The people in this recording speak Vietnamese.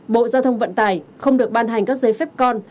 bộ giao thông vận tải không được ban hành các giấy phép con